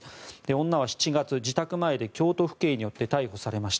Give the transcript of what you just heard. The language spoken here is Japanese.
女は７月、自宅前で京都府警によって逮捕されました。